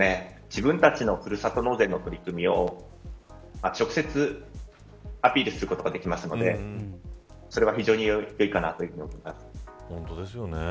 自分たちのふるさと納税の取り組みを直接アピールすることができるのでそれは非常にいいかなと思います。